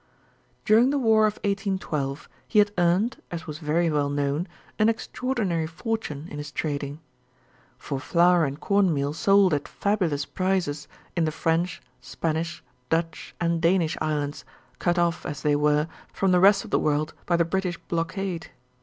During the War of 1812 he had earned, as was very well known, an extraordinary fortune in this trading; for flour and corn meal sold at fabulous prices in the French, Spanish, Dutch, and Danish islands, cut off, as they were, from the rest of the world by the British blockade.